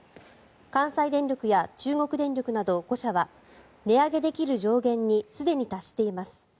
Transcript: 関西電力や中国電力など５社は値上げできる上限にすでに達しています。